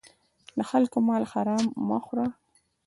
د خلکو مال حرام مه خوره.